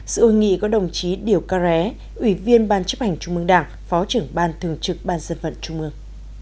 sự hội nghị có đồng chí điều ca ré ủy viên ban chấp hành trung mương đảng phó trưởng ban thường trực ban dân vận trung mương